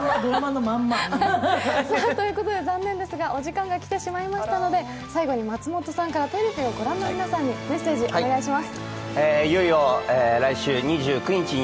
残念ですがお時間が来てしまいましたので最後に松本さんからテレビを御覧の皆さんにメッセージをお願いします。